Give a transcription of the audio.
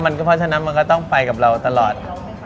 เพราะฉะนั้นมันก็ต้องไปกับเราตลอด